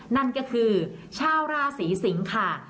นั่นก็คือชาวราศีสิงค่ะ